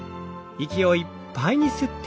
息をいっぱいに吸って。